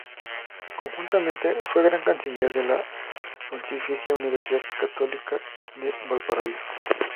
Conjuntamente fue Gran Canciller de la Pontificia Universidad Católica de Valparaíso.